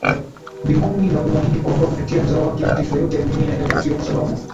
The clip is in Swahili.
Mbinguni na kumwahidi kwamba kupitia mzao wake mataifa yote ya dunia yatabarikiwa kwa sababu